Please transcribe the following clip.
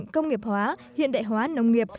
công nghiệp hóa hiện đại hóa nông nghiệp